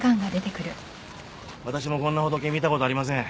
私もこんなホトケ見たことありません。